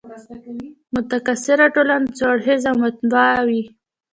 متکثره ټولنه څو اړخیزه او متنوع وي.